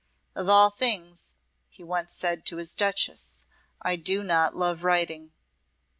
"Of all things," he once said to his Duchess, "I do not love writing."